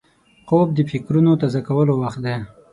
خوب د فکرونو تازه کولو وخت دی